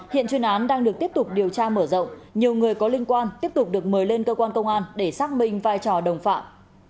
hiện chuyên án đang được tiếp tục điều tra mở rộng nhiều người có liên quan tiếp tục được mời lên cơ quan công an để xác minh vai trò đồng phạm